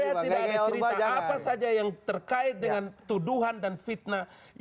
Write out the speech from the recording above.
saya tidak ada cerita apa saja yang terkait dengan tuduhan dan fitnah yang dialamatkan pak rizik